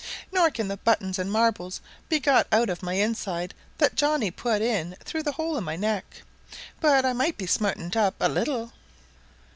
Nor can the buttons and marbles be got out of my inside that Johnny put in through the hole in my neck. But I might be smartened up a little!"